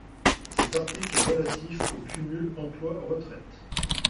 Cet article est relatif au cumul emploi-retraite.